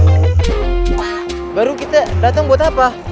wah baru kita datang buat apa